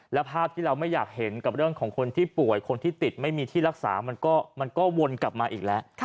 แล้วภาพที่เราไม่อยากเห็นกับเรื่องของคนที่ป่วยคนที่ติดไม่มีที่รักษามันก็วนกลับมาอีกแล้ว